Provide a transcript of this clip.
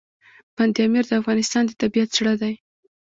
بند امیر د افغانستان د طبیعت زړه دی.